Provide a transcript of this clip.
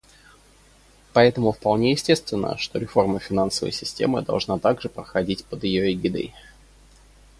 Поэтому вполне естественно, что реформа финансовой системы должна также проходить под ее эгидой.